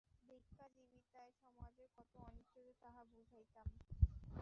ভিক্ষাজীবিতায় সমাজের কত অনিষ্ট তাহা বুঝাইতাম।